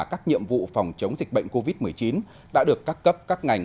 các nhiệm vụ phòng chống dịch bệnh covid một mươi chín đã được các cấp các ngành